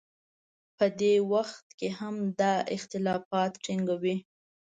که په دې وخت کې هم دا اختلاف ټینګوي.